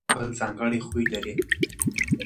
هر انسان خپل ځانګړی خوی لري.